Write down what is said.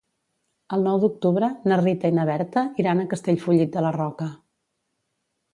El nou d'octubre na Rita i na Berta iran a Castellfollit de la Roca.